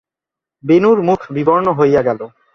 বেণুর মুখ বিবর্ণ হইয়া গেল।